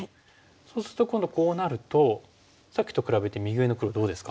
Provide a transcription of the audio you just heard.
そうすると今度こうなるとさっきと比べて右上の黒どうですか？